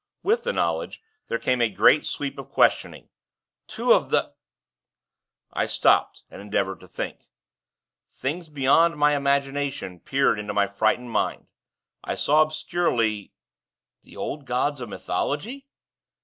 With the knowledge, there came a great sweep of questioning 'Two of the !' I stopped, and endeavored to think. Things beyond my imagination peered into my frightened mind. I saw, obscurely. 'The old gods of mythology!'